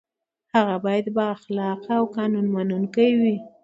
هغه باید با اخلاقه او قانون منونکی وي.